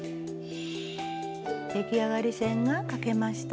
出来上がり線が書けました。